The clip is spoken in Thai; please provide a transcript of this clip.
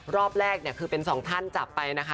รอบแรกเนี่ยคือเป็นสองท่านจับไปนะคะ